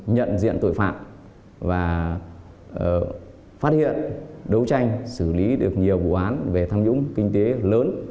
nhận diện tội phạm và phát hiện đấu tranh xử lý được nhiều vụ án về tham nhũng kinh tế lớn